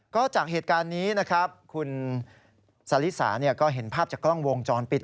ก็จากเหตุการณ์นี้นะครับคุณซาลิสาก็เห็นภาพจากกล้องวงจรปิด